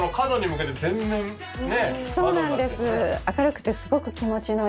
そうなんです。